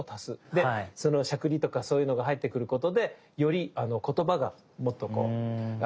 でそのしゃくりとかそういうのが入ってくることでより言葉がもっとこう立つ。